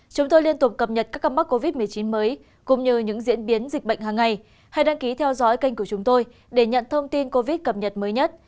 các bạn hãy đăng ký kênh của chúng tôi để nhận thông tin cập nhật mới nhất